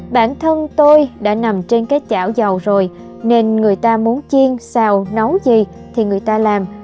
bản thân tôi đã nằm trên cái chảo dầu rồi nên người ta muốn chiên xào nấu gì thì người ta làm